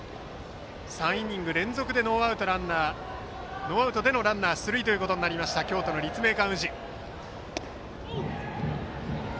３イニング連続でノーアウトでのランナー出塁となった京都の立命館宇治。